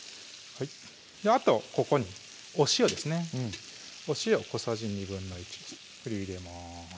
あとここにお塩ですねお塩小さじ１／２振り入れます